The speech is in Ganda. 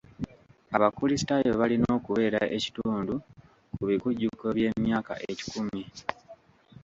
Abakrisitaayo balina okubeera ekitundu ku bikujjuko by'emyaka ekikumi.